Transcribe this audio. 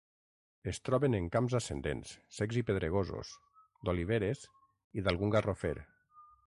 Es troben en camps ascendents, secs i pedregosos, d'oliveres i d'algun garrofer.